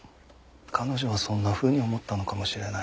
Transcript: “彼女”はそんなふうに思ったのかもしれない。